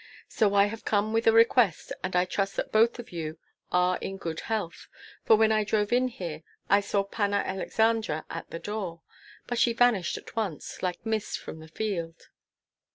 So I have come with a request, and I trust that both of you are in good health; for when I drove in here I saw Panna Aleksandra in the door, but she vanished at once, like mist from the field."